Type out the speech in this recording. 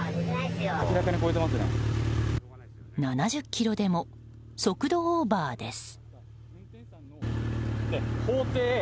７０キロでも速度オーバーです。